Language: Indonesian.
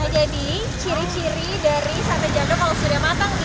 jadi ciri ciri dari sate jadok kalau sudah matang